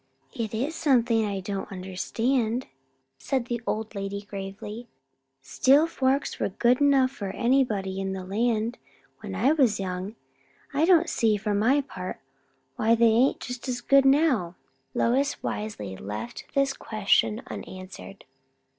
"It is something I don't understand," said the old lady gravely. "Steel forks were good enough for anybody in the land, when I was young. I don't see, for my part, why they ain't just as good now." Lois wisely left this question unanswered.